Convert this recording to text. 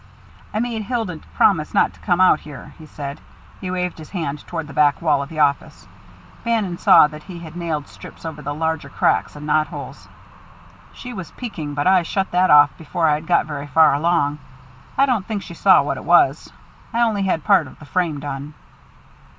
"I made Hilda promise not to come out here," he said. He waved his hand toward the back wall of the office. Bannon saw that he had nailed strips over the larger cracks and knot holes. "She was peeking, but I shut that off before I'd got very far along. I don't think she saw what it was. I only had part of the frame done."